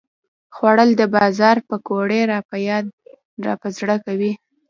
خوړل د بازار پکوړې راپه زړه کوي